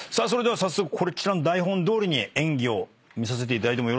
早速こちらの台本どおりに演技を見させていただいてもよろしいでしょうか？